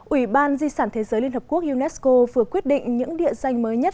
ủy ban di sản thế giới liên hợp quốc unesco vừa quyết định những địa danh mới nhất